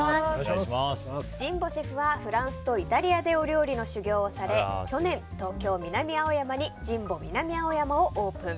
神保シェフはフランスとイタリアでお料理の修業をされ去年、東京・南青山にジンボ南青山をオープン。